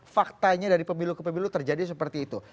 faktanya dari pemilu ke pemilu terjadi seperti itu